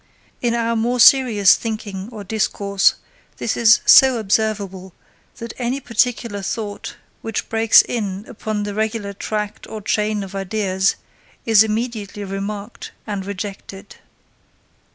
In our more serious thinking or discourse this is so observable that any particular thought, which breaks in upon the regular tract or chain of ideas, is immediately remarked and rejected.